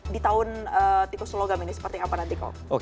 di tahun tikus logam ini seperti apa nanti kok